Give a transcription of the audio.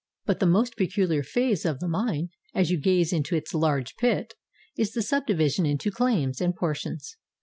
But the most peculiar phase of the mine, as you gaze into its large pit, is the subdivision into claims and por tions.